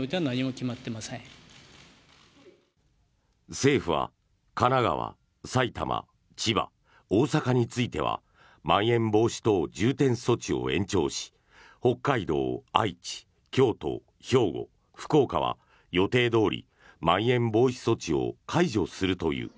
政府は神奈川、埼玉千葉、大阪についてはまん延防止等重点措置を延長し北海道、愛知、京都兵庫、福岡は予定どおりまん延防止措置を解除するという。